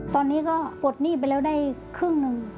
ตอนนี้ก็ปลดหนี้ไปแล้วได้ครึ่งหนึ่ง